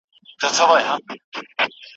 یو دم څرنګه بدل دي کړل نرخونه